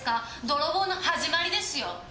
泥棒の始まりですよ。